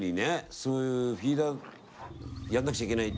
そういうフィーダーやんなくちゃいけないって